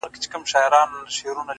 د ژوند په څو لارو كي ـ